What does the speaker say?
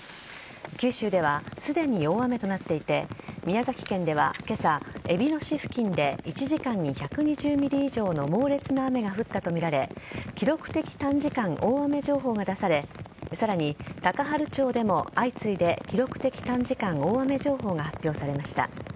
九州ではすでに大雨となっていて宮崎県では今朝えびの市付近で１時間に１２０ｍｍ以上の猛烈な雨が降ったとみられ記録的短時間大雨情報が出されさらに、高原町でも相次いで記録的短時間大雨情報が発表されました。